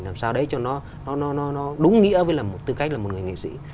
làm sao đấy cho nó đúng nghĩa với tư cách là một người nghệ sĩ